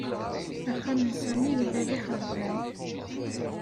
Axxam n Sami yella d ixerban.